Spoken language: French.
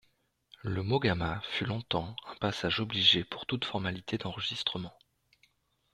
Le Mogamma fut longtemps un passage obligé pour toute formalité d'enregistrement.